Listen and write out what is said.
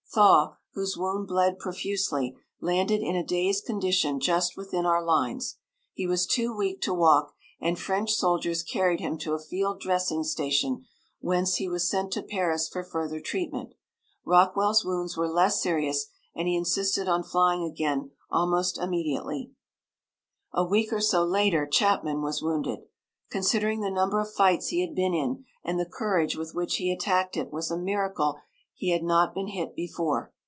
Thaw, whose wound bled profusely, landed in a dazed condition just within our lines. He was too weak to walk, and French soldiers carried him to a field dressing station, whence he was sent to Paris for further treatment. Rockwell's wounds were less serious and he insisted on flying again almost immediately. A week or so later Chapman was wounded. Considering the number of fights he had been in and the courage with which he attacked it was a miracle he had not been hit before.